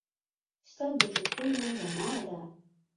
استاد د فکرونو رڼا ده.